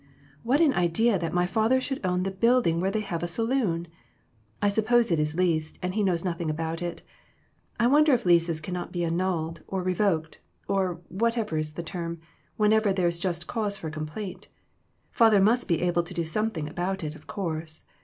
"What an idea that my father should own the building where they have a saloon ! I suppose it is leased, and he knows nothing about it. I wonder if leases cannot be annulled or revoked, or whatever is the term, whenever there is just cause for complaint. Father must be able to do something about it, of course.